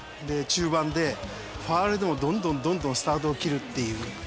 で中盤でファウルでもどんどんどんどんスタートを切るっていう。